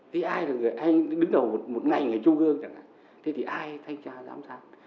thế ai đứng đầu một ngành người trung gương thế thì ai thanh tra dám sao